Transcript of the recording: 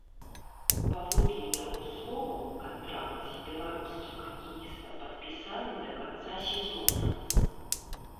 Паводле яго словаў, кантракт з беларускім хакеістам падпісаны да канца сезона.